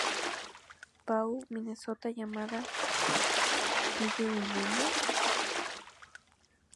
Paul Minnesota llamada "Do You Remember?